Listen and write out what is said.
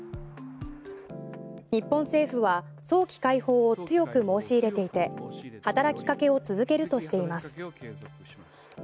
日本政府は早期解放を強く申し入れていて働きかけを続けるとしています。